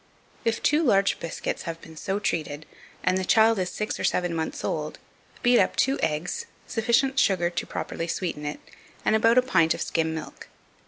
If two large biscuits have been so treated, and the child is six or seven months old, beat up two eggs, sufficient sugar to properly sweeten it, and about a pint of skim milk.